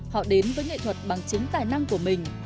họ đến với nghệ thuật bằng chính tài năng của mình